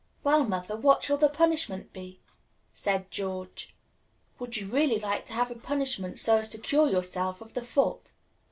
"Well, mother, what shall the punishment be?" said George. "Would you really like to have a punishment, so as to cure yourself of the fault?"